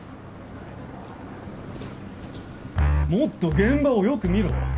もっと現場をよく見ろ。